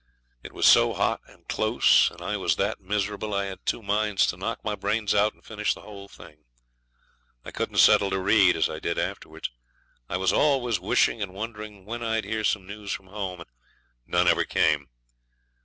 It was so hot and close and I was that miserable I had two minds to knock my brains out and finish the whole thing. I couldn't settle to read, as I did afterwards. I was always wishing and wondering when I'd hear some news from home, and none ever came.